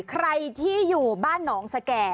ใครที่อยู่บ้านหนองสแก่